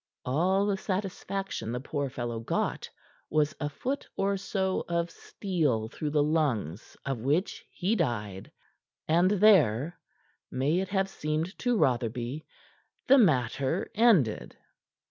All the satisfaction the poor fellow got was a foot or so of steel through the lungs, of which he died; and there, may it have seemed to Rotherby, the matter ended.